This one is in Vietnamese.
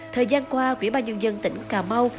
thời gian qua quỹ ba nhân dân tỉnh cà mau